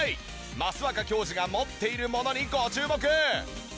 益若教授が持っているものにご注目！